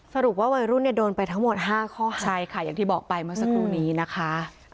สรุปว่าวัยรุ่นเนี่ยโดนไปทั้งหมดห้าข้อหาใช่ค่ะอย่างที่บอกไปเมื่อสักครู่นี้นะคะ